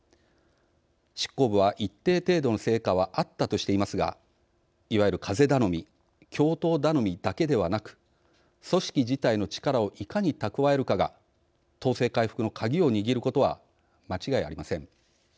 執行部は「一定程度の成果はあった」としていますがいわゆる風頼み共闘頼みだけではなく組織自体の力をいかに蓄えるかが党勢回復の鍵を握ることは間違いありません。